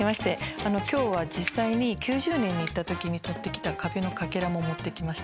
あの今日は実際に９０年に行った時にとってきた壁のかけらも持ってきました。